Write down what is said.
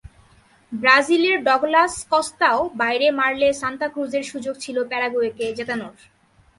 ব্রাজিলের ডগলাস কস্তাও বাইরে মারলে সান্তা ক্রুজের সুযোগ ছিল প্যারাগুয়েকে জেতানোর।